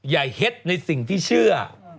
ใหญ่เห็ดในสิ่งที่เชื่อ